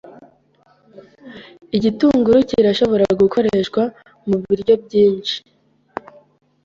Igitunguru kirashobora gukoreshwa mubiryo byinshi.